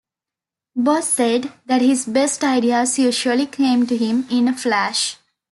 Bose said that his best ideas usually came to him in a flash.